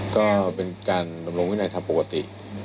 ก็เป็นการบำรวงไว้ให้ทำปกติ